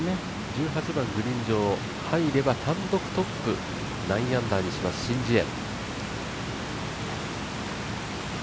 １８番、グリーン上、入れば単独トップ９アンダーにします、シン・ジエ。